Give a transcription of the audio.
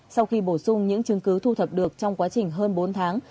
sau khi bổ sung những chứng cứ thu thập được trong quá trình hơn bốn tháng